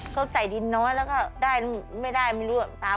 เขาใส่ดินน้อยแล้วก็ได้ไม่ได้ไม่รู้